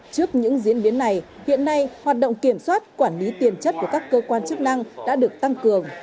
trước những diễn biến này hiện nay hoạt động kiểm soát quản lý tiền chất của các cơ quan chức năng đã được tăng cường